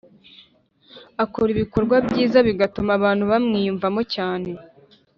akora ibikorwa byiza bigatuma abantu bamwiyumva cyane